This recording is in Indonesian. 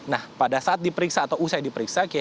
nah pada saat diperiksa atau usai diperiksa